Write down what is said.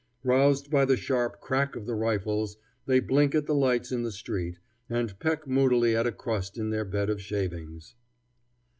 Roused by the sharp crack of the rifles, they blink at the lights in the street, and peck moodily at a crust in their bed of shavings.